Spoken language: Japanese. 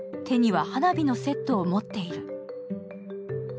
手には花火のセットを持っている。